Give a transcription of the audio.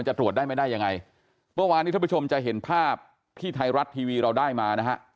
จะตรวจได้ไม่ได้ยังไงเมื่อวานนี้ท่านผู้ชมจะเห็นภาพที่ไทยรัฐทีวีเราได้มานะฮะ